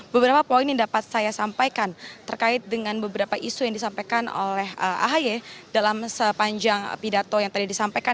beberapa poin yang dapat saya sampaikan terkait dengan beberapa isu yang disampaikan oleh ahy dalam sepanjang pidato yang tadi disampaikan